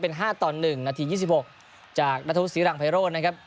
เป็น๕ต่อ๑นาที๒๖จากนัทธวุศรีรังไพโรธนะครับ